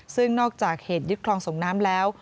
ซึ่งนอกจากเหตุยึดคลองส่งน้ำแล้ว